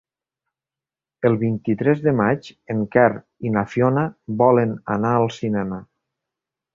El vint-i-tres de maig en Quer i na Fiona volen anar al cinema.